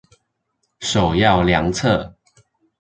首要良策